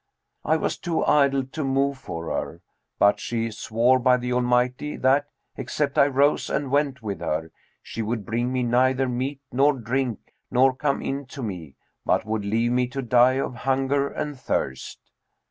I was too idle to move for her; but she swore by the Almighty that, except I rose and went with her, she would bring me neither meat nor drink nor come in to me, but would leave me to die of hunger and thirst.